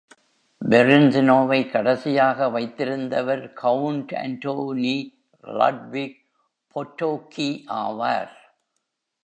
Berezino-வை கடைசியாக வைத்திருந்தவர் Count Antoni-Ludwik Potocki ஆவார்.